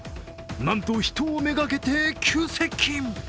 なんと人を目がけて急接近。